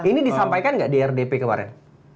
ini disampaikan nggak di rdp kemarin